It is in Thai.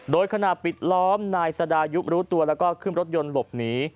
โดยขณะปิดล้อมนายสดายุรู้ตัวแล้วก็ขึ้นรถยนต์หลบหนี